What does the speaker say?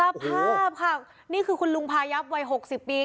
ภาพค่ะนี่คือคุณลุงพายับวัย๖๐ปี